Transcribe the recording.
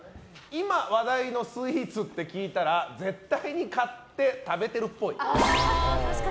「今話題のスイーツ」って聞いたら絶対に買って食べてるっぽい。